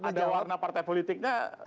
ada warna partai politiknya